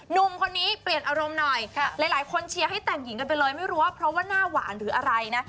หนุ่มคนนี้เปลี่ยนอารมณ์หน่อยหลายคนเชียร์ให้แต่งหญิงกันไปเลยไม่รู้ว่าเพราะว่าหน้าหวานหรืออะไรนะ